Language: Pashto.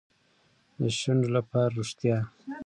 د شونډو لپاره ریښتیا.